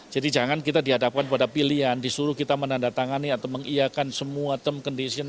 jadi jangan kita dihadapkan pada pilihan disuruh kita menandatangani atau mengiakan semua term condition